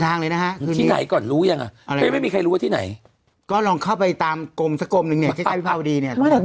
บางกรมที่ไม่มีก็มีครับบางกรมที่แบบเนอะ